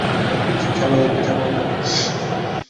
ছাড়ব না তোকে।